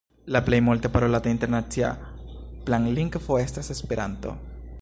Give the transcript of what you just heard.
La plej multe parolata internacia planlingvo estas Esperanto.